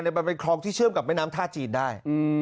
มันเป็นคลองที่เชื่อมกับแม่น้ำท่าจีนได้